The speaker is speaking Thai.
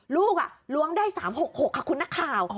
ลูกอ่ะล้วงได้๓๖๖ค่ะคุณนักข่าว